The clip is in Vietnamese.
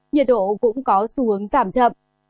nhiệt độ cũng có xu hướng giảm chậm